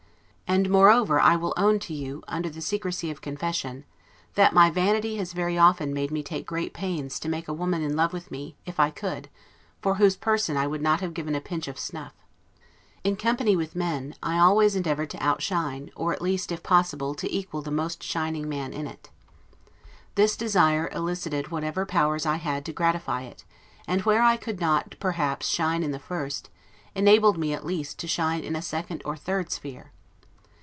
And, moreover, I will own to you, under the secrecy of confession, that my vanity has very often made me take great pains to make a woman in love with me, if I could, for whose person I would not have given a pinch of snuff. In company with men, I always endeavored to outshine, or at least, if possible, to equal the most shining man in it. This desire elicited whatever powers I had to gratify it; and where I could not perhaps shine in the first, enabled me, at least, to shine in a second or third sphere.